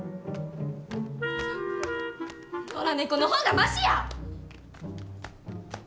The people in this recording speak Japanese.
野良猫の方がマシや！